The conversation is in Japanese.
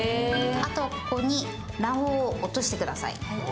あと、ここに卵黄を落としてください。